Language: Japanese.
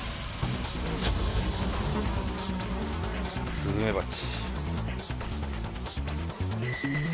スズメバチ！